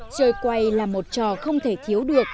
chơi quay là một trò không thể thiếu được